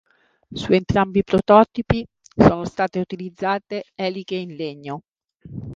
Su entrambi i prototipi sono state utilizzate eliche in legno.